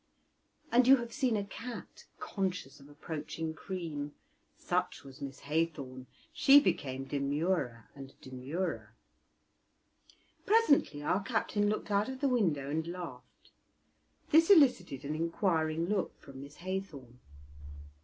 And you have seen a cat conscious of approaching cream: such was Miss Haythorn; she became demurer and demurer. Presently our captain looked out of the window and laughed; this elicited an inquiring look from Miss Haythorn.